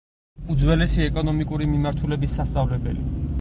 უძველესი ეკონომიკური მიმართულების სასწავლებელი.